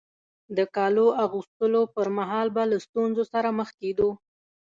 د کالو اغوستلو پر مهال به له ستونزو سره مخ کېدو.